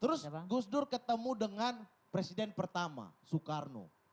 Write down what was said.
terus gus dur ketemu dengan presiden pertama soekarno